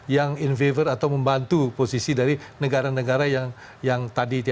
yang in favor atau membantu posisi dari negara negara yang tadi